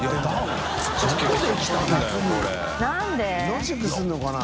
野宿するのかな？